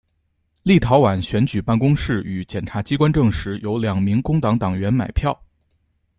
立陶宛选举办公室与检察机关证实有两名工党党员买票。